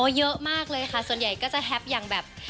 เยอะมากเลยค่ะส่วนใหญ่ก็จะแฮปอย่างแบบ